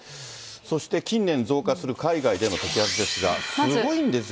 そして近年増加する海外での摘発ですが、すごいんですよ。